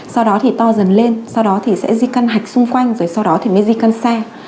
sau đó thì to dần lên sau đó thì sẽ di căn hạch xung quanh rồi sau đó thì mới di căn xe